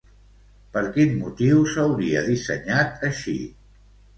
Per quin motiu s'hauria dissenyat així?